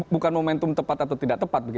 bukan momentum tepat atau tidak tepat